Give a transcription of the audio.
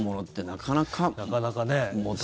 なかなかね。